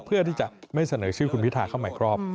เพื่อที่จะไม่เสนอชื่อคุณพิทาเข้ามาอีกรอบ